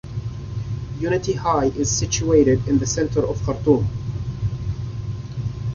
Unity High is situated in the centre of Khartoum.